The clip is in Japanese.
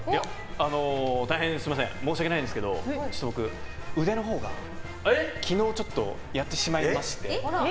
大変、申し訳ないんですけど僕、腕のほうが昨日ちょっとやってしまいまして。